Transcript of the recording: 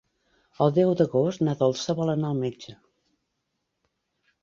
El deu d'agost na Dolça vol anar al metge.